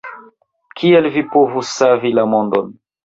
Kiel vi povus savi la mondon?